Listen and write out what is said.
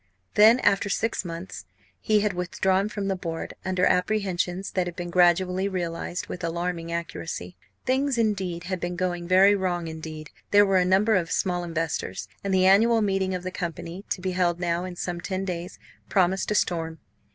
Then, after six months, he had withdrawn from the Board, under apprehensions that had been gradually realised with alarming accuracy. Things, indeed, had been going very wrong indeed; there were a number of small investors; and the annual meeting of the company, to be held now in some ten days, promised a storm.